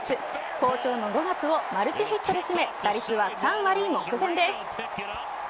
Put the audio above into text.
好調の５月をマルチヒットで締め打率は３割目前です。